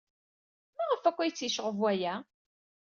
Maɣef akk ay tt-yecɣeb waya?